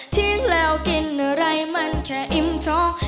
ทิ้งแล้วกินอะไรมันแค่อิ่มท้อง